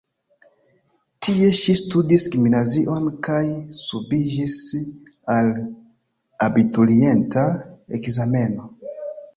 Tie ŝi studis gimnazion kaj subiĝis al abiturienta ekzameno.